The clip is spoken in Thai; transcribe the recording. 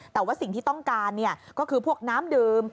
แต่ว่าสิ่งที่ต้องการก็คือพวกน้ำดื่ม